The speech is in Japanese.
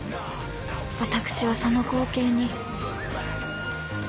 私はその光景に